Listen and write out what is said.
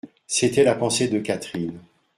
C'était la pensée de Catherine.